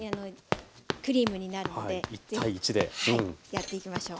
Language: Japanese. やっていきましょう。